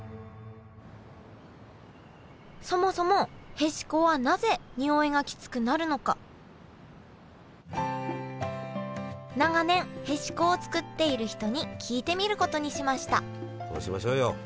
そもそもへしこはなぜにおいがきつくなるのか長年へしこを作っている人に聞いてみることにしました。